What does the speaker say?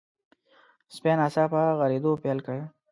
سپي ناڅاپه غريدو پيل کړ.